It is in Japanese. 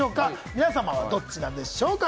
皆さまはどっちなんでしょうか？